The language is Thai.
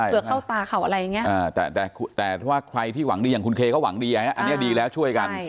เผื่อเข้าตาเขาอะไรอย่างนี้แต่ถ้าใครที่หวังดีอย่างคุณเคเขาหวังดีอันนี้ดีแล้วช่วยกัน